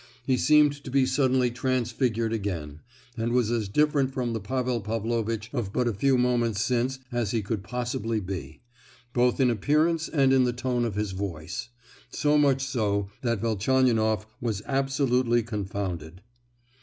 He seemed to be suddenly transfigured again, and was as different from the Pavel Pavlovitch of but a few moments since as he could possibly be, both in appearance and in the tone of his voice; so much so that Velchaninoff was absolutely confounded.